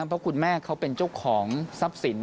เพราะคุณแม่เขาเป็นเจ้าของทรัพย์สิน